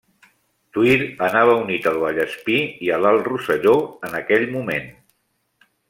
Tuïr anava unit al Vallespir i a l'Alt Rosselló, en aquell moment.